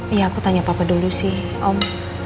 iya aku tanya papa dulu sih om